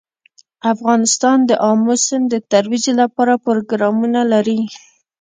افغانستان د آمو سیند د ترویج لپاره پروګرامونه لري.